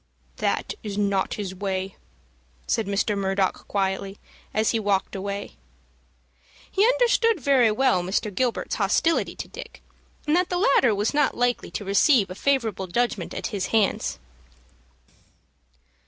"That is not his way," said Mr. Murdock, quietly, as he walked away. He understood very well Mr. Gilbert's hostility to Dick, and that the latter was not likely to receive a very favorable judgment at his hands.